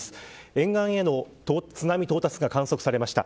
沿岸への津波到達が観測されました。